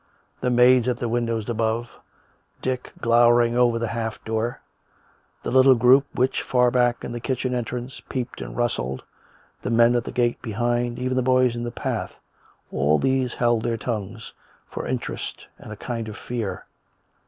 The maids at the windows above, Dick glowering over the half door, the little group which, far back in the kitchen entrance, peeped and rustled, the men at the gate behind, even the boys in the path — all these held their tongues for interest and a kind of fear.